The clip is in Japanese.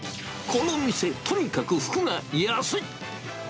この店、とにかく服が安い！